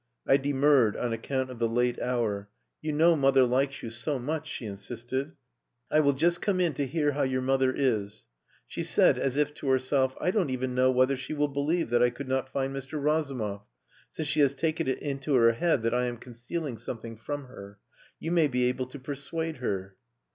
I demurred on account of the late hour. "You know mother likes you so much," she insisted. "I will just come in to hear how your mother is." She said, as if to herself, "I don't even know whether she will believe that I could not find Mr. Razumov, since she has taken it into her head that I am concealing something from her. You may be able to persuade her...."